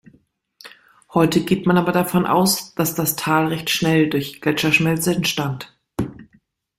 Heute geht man aber davon aus, dass das Tal recht schnell durch Gletscherschmelze entstand.